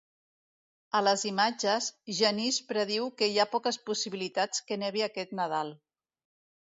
A les imatges, Janice prediu que hi ha poques possibilitats que nevi aquest Nadal.